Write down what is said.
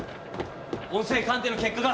音声鑑定の結果が。